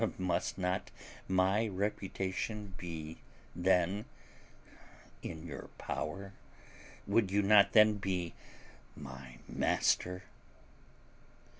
Must not my reputation be then in your power? Would you not then be my master?"